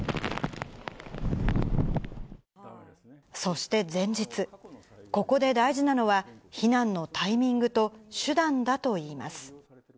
そして前日、ここで大事なのは、避難のタイミングと手段だといいます。